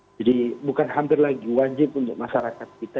bukan hampir lagi wajib untuk masyarakat kita